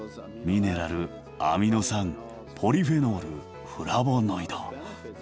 ミネラルアミノ酸ポリフェノールフラボノイド。